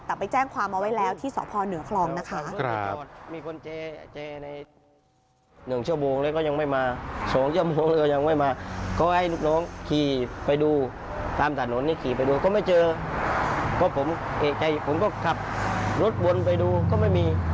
แต่ไปแจ้งความเอาไว้แล้วที่สพเหนือคลองนะคะ